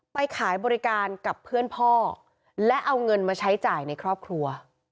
ไปขายบริการกับเพื่อนพ่อและเอาเงินมาใช้จ่ายในครอบครัว